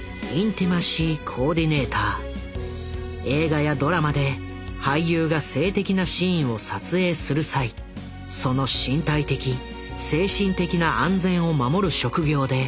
映画やドラマで俳優が性的なシーンを撮影する際その身体的精神的な安全を守る職業で＃